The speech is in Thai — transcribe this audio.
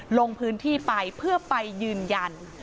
ลงพื้นที่ไปเพื่อไปยืนยัน